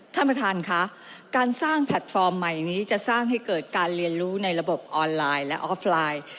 ท่านประธานค่ะการสร้างแพลตฟอร์มใหม่นี้จะสร้างให้เกิดการเรียนรู้ในระบบออนไลน์และออฟไลน์